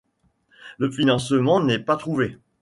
Le financement n'est pas trouvé.